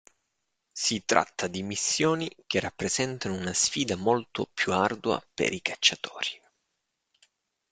Si tratta di missioni che rappresentano una sfida molto più ardua per i cacciatori.